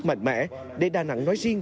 mạnh mẽ để đà nẵng nói riêng